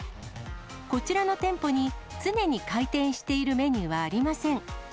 こちらの店舗に常に回転しているメニューはありません。